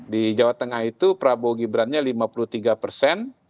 di jawa tengah itu prabowo gibran nya lima puluh tiga persen